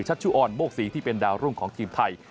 ชุออนโมกศรีที่เป็นดาวรุ่งของทีมไทย